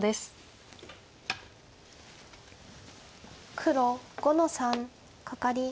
黒５の三カカリ。